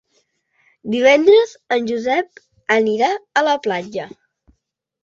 Divendres en Josep anirà a la platja.